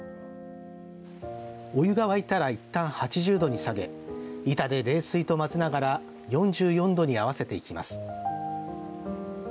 お湯が沸いたらいったん８０度に下げ板で冷水と混ぜながら４４度に合わせていきます。